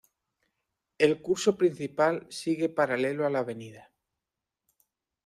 El curso principal sigue paralelo a la Av.